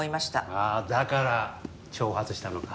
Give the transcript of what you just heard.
ああだから挑発したのか？